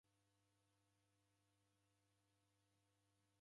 Shomenyi sena mmbose